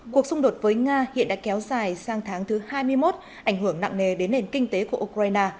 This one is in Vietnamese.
cuộc xung đột với nga hiện đã kéo dài sang tháng thứ hai mươi một ảnh hưởng nặng nề đến nền kinh tế của ukraine